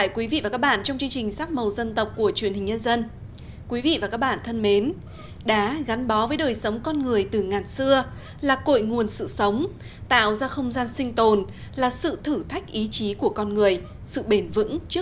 các bạn hãy đăng ký kênh để ủng hộ kênh của chúng mình nhé